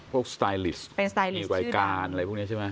สไตลิสต์มีรายการอะไรพวกนี้ใช่ไหม